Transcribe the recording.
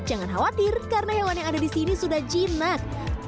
jangan khawatir karena hewan yang ada di sini sudah jinak